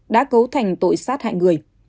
đã cấu thành tội sát hại người